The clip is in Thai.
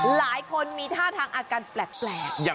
หลายคนมีท่าทางอาการแปลก